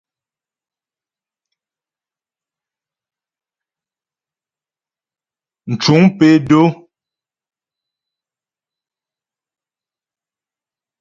Mcuŋ pé dó.